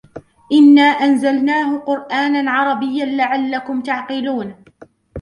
إِنَّا أَنْزَلْنَاهُ قُرْآنًا عَرَبِيًّا لَعَلَّكُمْ تَعْقِلُونَ